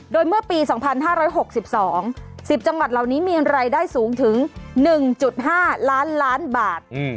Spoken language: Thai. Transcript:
โดยเมื่อปี๒๕๖๒๑๐จังหวัดเหล่านี้มีรายได้สูงถึง๑๕ล้านล้านบาท